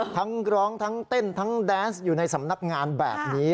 ทั้งร้องทั้งเต้นทั้งแดนส์อยู่ในสำนักงานแบบนี้